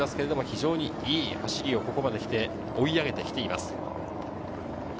ただ非常に良い走りで、ここまで追い上げてきています。